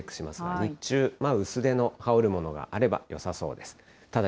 日中、薄手の羽織るものがあればよさそうです。